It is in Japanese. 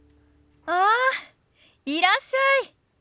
ああいらっしゃい。